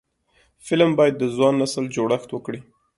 فلم باید د ځوان نسل جوړښت وکړي